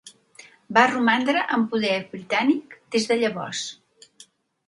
Va romandre en poder britànic des de llavors.